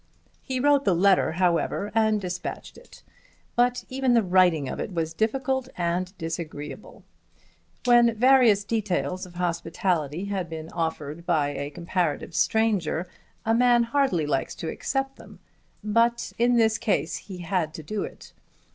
He wrote the letter, however, and dispatched it. But even the writing of it was difficult and disagreeable. When various details of hospitality have been offered by a comparative stranger a man hardly likes to accept them all. But in this case he had to do it.